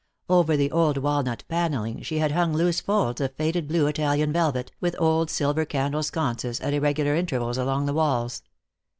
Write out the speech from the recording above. Over the old walnut paneling she had hung loose folds of faded blue Italian velvet, with old silver candle sconces at irregular intervals along the walls.